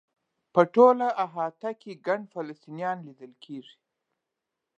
په ټوله احاطه کې ګڼ فلسطینیان لیدل کېږي.